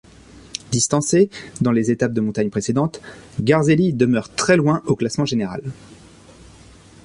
Distancé dans les étapes de montagnes précédentes, Garzelli demeure très loin au classement général.